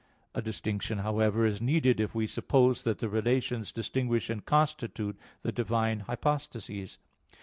A distinction, however, is needed if we suppose that the relations distinguish and constitute the divine hypostases.